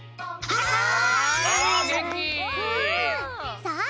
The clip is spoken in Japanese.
はい。